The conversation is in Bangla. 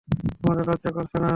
তোদের লজ্জা করছে না?